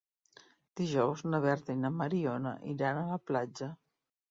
Dijous na Berta i na Mariona iran a la platja.